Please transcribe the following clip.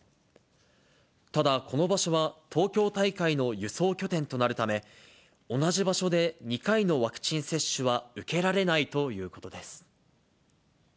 ただ、この場所は東京大会の輸送拠点となるため、同じ場所で２回のワクチン接種は受けられないということです。